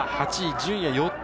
順位は４つ